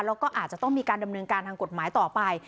แล้วก็อาจจะต้องมีการดำเนินการทางกฎหมายต่อไป